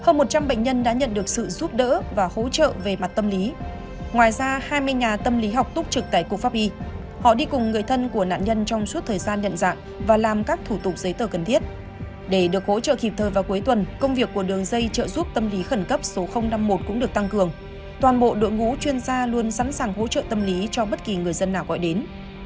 toàn bộ đội ngũ chuyên gia luôn sẵn sàng hỗ trợ tâm lý cho bất kỳ người dân nào gọi đến